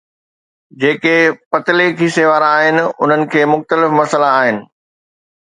جيڪي پتلي کيسي وارا آهن انهن کي مختلف مسئلا آهن.